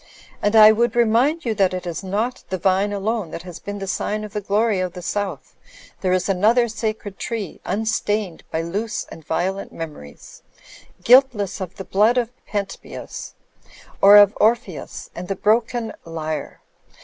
And I would remind you that it is not the vine alone that has been the sign of the glory of the South. There is another sacred tree unstained by loose and violent memories, guiltless of the blood of Pen tbeus or of Orpheus and the broken l)rre.